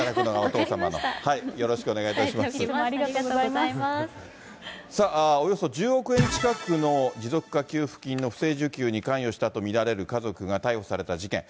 伝えておきます、ありがとうさあ、およそ１０億円近くの持続化給付金の不正受給に関与したと見られる家族が逮捕された事件。